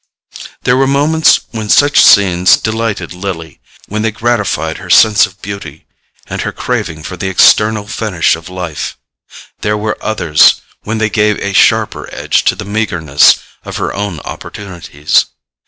There were moments when such scenes delighted Lily, when they gratified her sense of beauty and her craving for the external finish of life; there were others when they gave a sharper edge to the meagreness of her own opportunities.